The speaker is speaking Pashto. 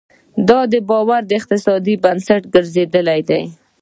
دا باور د اقتصاد بنسټ ګرځېدلی دی.